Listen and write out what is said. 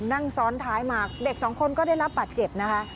นั่งซ้อนท้ายมาเด็กสองคนก็ได้รับบาดเจ็บนะคะ